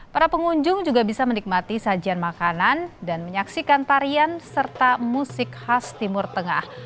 para pengunjung juga bisa menikmati sajian makanan dan menyaksikan tarian serta musik khas timur tengah